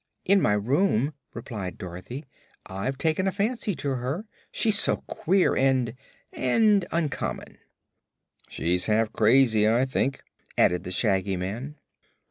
"In my room," replied Dorothy. "I've taken a fancy to her; she's so queer and and uncommon." "She's half crazy, I think," added the Shaggy Man.